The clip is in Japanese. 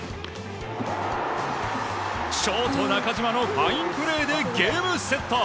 ショート、中島のファインプレーでゲームセット！